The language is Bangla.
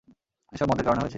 এসব মদের কারণে হয়েছে!